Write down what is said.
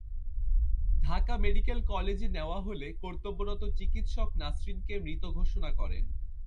Dhaka medical কলেজে নেওয়া হলে কর্তব্যরত চিকিত্সক নাসরিনকে মৃত ঘোষণা করেন।